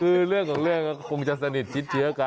คือเรื่องของเรื่องก็คงจะสนิทชิดเชื้อกัน